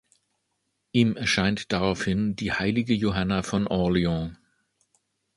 Ihm erscheint daraufhin die Heilige Johanna von Orleans.